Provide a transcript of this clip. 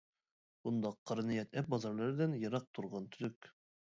بۇنداق قارا نىيەت ئەپ بازارلىرىدىن يىراق تۇرغان تۈزۈك.